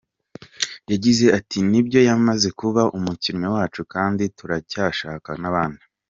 Yagize ati “Ni byo yamaze kuba umukinnyi wacu kandi turacyashaka n’abandi.